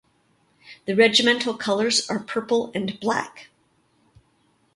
The Regimental colours are Purple and Black.